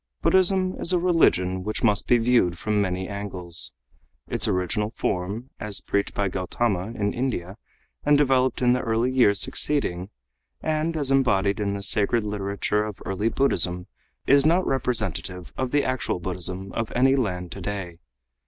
Buddhism is a religion which must be viewed from many angles. Its original form, as preached by Gautama in India and developed in the early years succeeding, and as embodied in the sacred literature of early Buddhism, is not representative of the actual Buddhism of any land today.